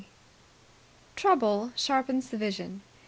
Trouble sharpens the vision.